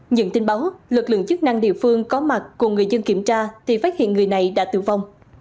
nhận tin báo lực lượng chức năng địa phương có mặt cùng người dân kiểm tra thì phát hiện người này đã tử vong